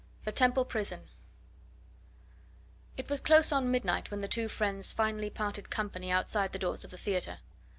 THE TEMPLE PRISON It was close on midnight when the two friends finally parted company outside the doors of the theatre.